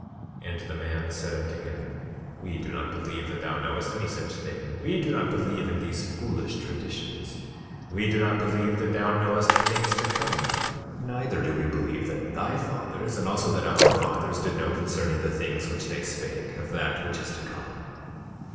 21:8 And the man said unto him: We do not believe that thou knowest any such thing. We do not believe in these foolish traditions. We do not believe that thou knowest of things to come, neither do we believe that thy fathers and also that our fathers did know concerning the things which they spake, of that which is to come.